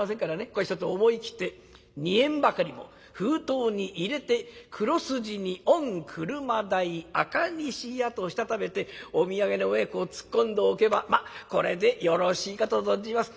ここはひとつ思い切って２円ばかりも封筒に入れて黒筋に『御車代赤螺屋』としたためてお土産の上へこう突っ込んでおけばこれでよろしいかと存じます。